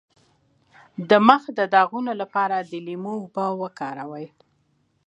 د مخ د داغونو لپاره د لیمو اوبه وکاروئ